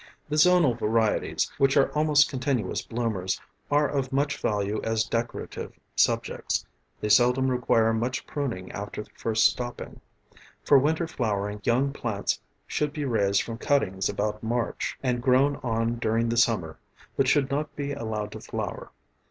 The zonal varieties, which are almost continuous bloomers, are of much value as decorative subjects; they seldom require much pruning after the first stopping. For winter flowering, young plants should be raised from cuttings about March, and grown on during the summer, but should not be allowed to flower.